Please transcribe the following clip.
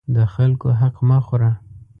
د خلکو حق مه خوره.